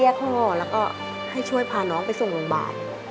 ออกมากก็ให้ช่วยพาน้องไปส่งโรงบาร